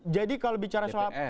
jadi kalau bicara soal